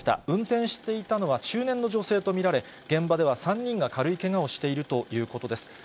運転していたのは中年の女性と見られ、現場では３人が軽いけがをしているということです。